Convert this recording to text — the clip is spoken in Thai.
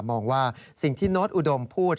มองว่าสิ่งที่โน้ตอุดมพูด